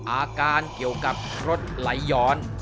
อาการเกี่ยวกับรถไหลย้อน